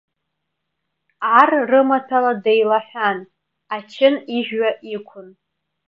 Ар рымаҭәала деилаҳәан, ачын ижәҩа иқәын.